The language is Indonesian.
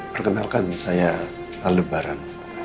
perkenalkan saya aldebaran